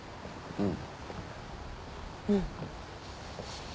うん。